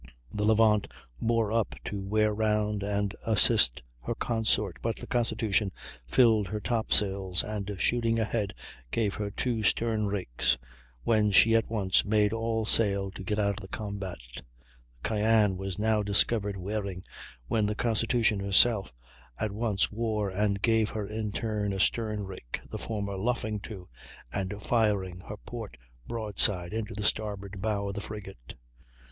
The Levant bore up to wear round and assist her consort, but the Constitution filled her top sails, and, shooting ahead, gave her two stern rakes, when she at once made all sail to get out of the combat. The Cyane was now discovered wearing, when the Constitution herself at once wore and gave her in turn a stern rake, the former luffing to and firing her port broadside into the starboard bow of the frigate.